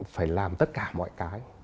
phải làm tất cả mọi cái